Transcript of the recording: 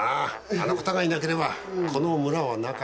あの方がいなければこの村はなかった。